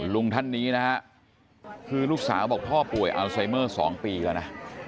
ลุงท่านนี้นะฮะคือลูกสาวบอกพ่อป่วยอัลไซเมอร์๒ปีแล้วนะ